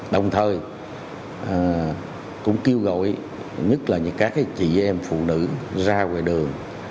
đồng thời cũng kêu gọi nhất là các chị em phụ nữ ra ngoài đường